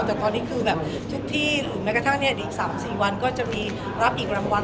แต่ตอนนี้ทุกที่หรือแม้กระทั่งนี้อีก๓๔วันก็จะรับอีกรางวัล